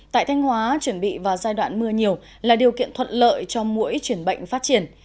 tại thanh hóa chuẩn bị vào giai đoạn mưa nhiều là điều kiện thuận lợi cho mỗi chuyển bệnh phát triển